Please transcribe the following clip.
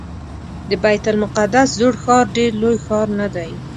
د بیت المقدس زوړ ښار ډېر لوی ښار نه دی.